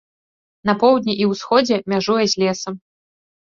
На поўдні і ўсходзе мяжуе з лесам.